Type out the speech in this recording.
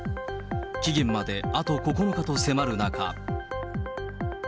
期限まであと９日と迫る中。